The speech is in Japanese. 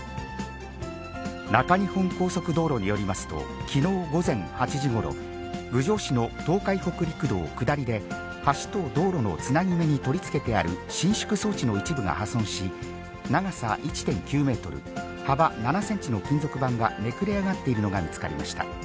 中日本高速道路によりますと、きのう午前８時ごろ、郡上市の東海北陸道下りで、橋と道路のつなぎ目に取り付けてある伸縮装置の一部が破損し、長さ１．９メートル、幅７センチの金属板がめくれ上がっているのが見つかりました。